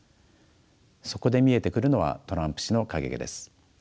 そこで見えてくるのはトランプ氏の影です。